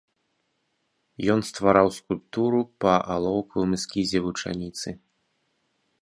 Ён ствараў скульптуру па алоўкавым эскізе вучаніцы.